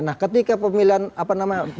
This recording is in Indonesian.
nah ketika pemilihan apa namanya